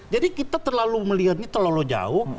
jadi kita terlalu melihatnya terlalu jauh